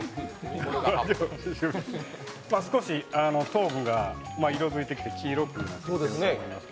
少し糖分が色づいてきて黄色くなってきているものです。